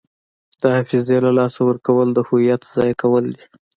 د حافظې له لاسه ورکول د هویت ضایع کول دي.